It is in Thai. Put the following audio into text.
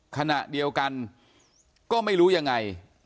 ขณะเดียวกันก็ไม่รู้ยังไง